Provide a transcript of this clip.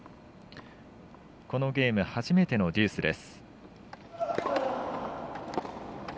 このゲーム初めてのデュースです。